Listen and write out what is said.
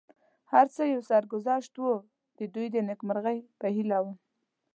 هر څه یو سرګذشت و، د دوی د نېکمرغۍ په هیله ووم.